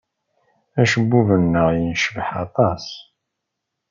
Acebbub-nnek yecbeḥ aṭas.